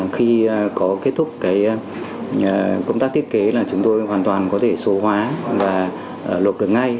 khi có kết thúc công tác thiết kế là chúng tôi hoàn toàn có thể số hóa và lộp được ngay